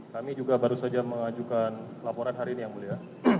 kami juga baru saja mengajukan laporan hari ini yang mulia